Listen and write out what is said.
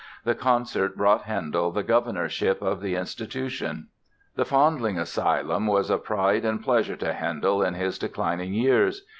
The concert brought Handel the Governorship of the institution. The Foundling Asylum was a pride and pleasure to Handel in his declining years.